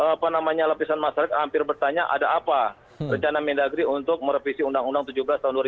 apa namanya lapisan masyarakat hampir bertanya ada apa rencana mendagri untuk merevisi undang undang tujuh belas tahun dua ribu dua